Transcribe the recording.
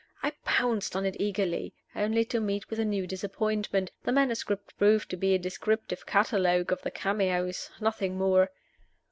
I pounced on it eagerly, only to meet with a new disappointment: the manuscript proved to be a descriptive catalogue of the cameos nothing more!